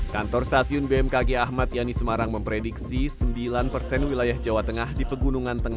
kantor stasiun bmkg ahmad yani semarang memprediksi sembilan persen wilayah jawa tengah di pegunungan tengah